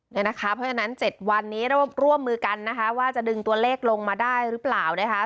เพราะฉะนั้น๗วันนี้เราร่วมมือกันนะคะว่าจะดึงตัวเลขลงมาได้หรือเปล่านะคะ